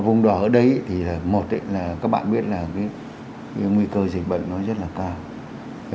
vùng đỏ ở đây thì là một là các bạn biết là cái nguy cơ dịch bệnh nó rất là cao